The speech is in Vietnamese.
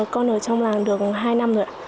con ở trong làng được hai năm rồi ạ